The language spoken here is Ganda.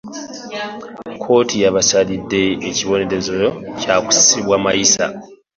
Kkooti yabasalidde ekibonerezo kykusibwa mayisa.